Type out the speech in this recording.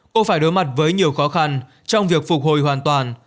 cô phải đối mặt với nhiều khó khăn trong việc phục hồi hoàn toàn